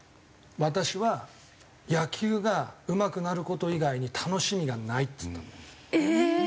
「私は野球がうまくなる事以外に楽しみがない」っつったの。ええー！